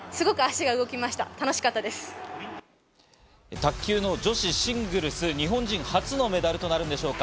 卓球の女子シングルス、日本人初のメダルとなるんでしょうか？